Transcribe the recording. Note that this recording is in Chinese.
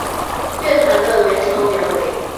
乐团的原成员为。